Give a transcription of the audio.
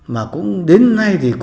mà đến nay